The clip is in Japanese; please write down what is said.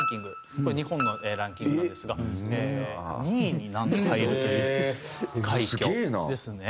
これ日本のランキングなんですが２位になんと入るという快挙ですね。